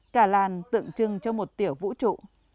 kalan tượng trưng cho một tiểu vũ trụ